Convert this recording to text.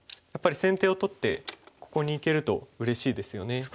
やっぱり先手を取ってここにいけるとうれしいですよね。